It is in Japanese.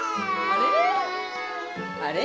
あれ？